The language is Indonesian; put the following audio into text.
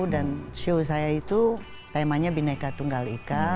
dan show saya itu temanya bineka tunggal ika